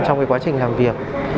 trong cái quá trình làm việc